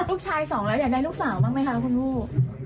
ผู้ชายสองแล้วอยากได้ลูกสาวบ้างไหมคะคุณลูก